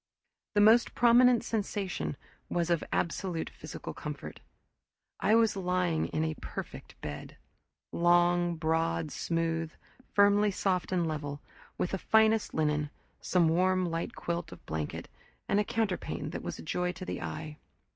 The most prominent sensation was of absolute physical comfort. I was lying in a perfect bed: long, broad, smooth; firmly soft and level; with the finest linen, some warm light quilt of blanket, and a counterpane that was a joy to the eye.